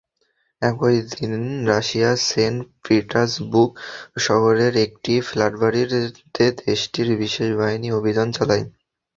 একই দিন রাশিয়ার সেন্ট পিটার্সবুর্গ শহরের একটি ফ্ল্যাটবাড়িতে দেশটির বিশেষ বাহিনী অভিযান চালায়।